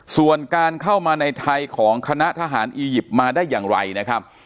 ส่วนการเข้ามาในไทยของคณะทหารอียิปต์มาได้อย่างไรนะครับ